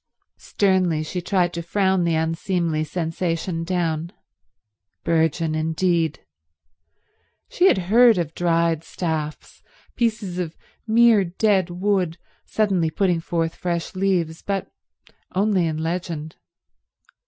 Sternly she tried to frown the unseemly sensation down. Burgeon, indeed. She had heard of dried staffs, pieces of mere dead wood, suddenly putting forth fresh leaves, but only in legend.